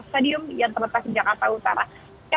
stadium yang terletak di jakarta utara